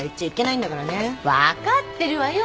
分かってるわよ。